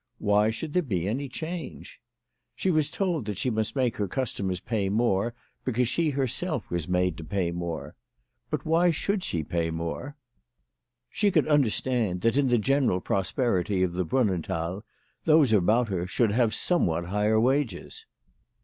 Why should there be any change ? She was told that she must make her customers pay more because she herself was made to pay more. But why should she pay more ? She could understand that in the general prosperity of the Brunnenthal those about her should 24 WHY FRATJ FROHMAtfN RAISED HER PRICES. have somewhat higher wages.